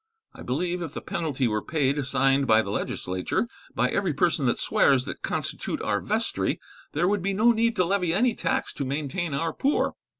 I believe if the penalty were paid assigned by the legislature by every person that swears that constitute our vestry, there would be no need to levy any tax to maintain our poor."